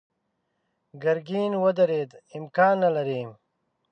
ګرګين ودرېد: امکان نه لري.